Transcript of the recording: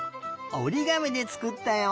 おりがみでつくったよ。